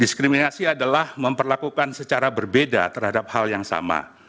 diskriminasi adalah memperlakukan secara berbeda terhadap hal yang sama